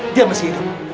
dia masih hidup